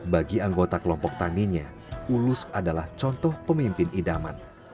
bagi anggota kelompok tanginya ulus adalah contoh pemimpin idaman